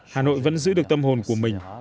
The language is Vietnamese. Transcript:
hà nội vẫn giữ được tâm hồn của mình